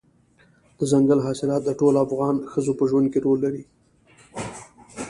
دځنګل حاصلات د ټولو افغان ښځو په ژوند کې رول لري.